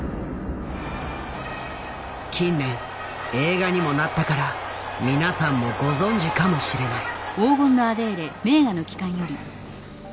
近年映画にもなったから皆さんもご存じかもしれない。